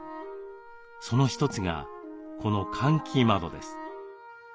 その一つがこの換気窓です。